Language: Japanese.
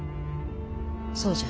そうじゃ。